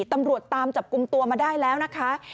ตำรวจตามจับกลุ่มตัวมาได้แล้วนะคะ